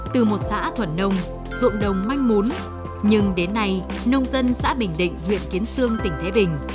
từ một xã thuần nông dụng đồng manh mún nhưng đến nay nông dân xã bình định huyện kiến sương tỉnh thế bình